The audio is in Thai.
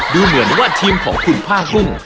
ดูเหมือนว่าทีมของคุณผ้ากุ้ง